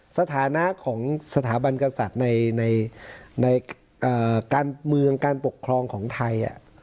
สถานะของสถาบันกษัตริย์ในการเมืองการปกครองของไทย